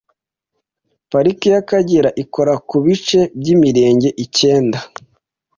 Pariki y’Akagera ikora ku bice by’imirenge Icyenda,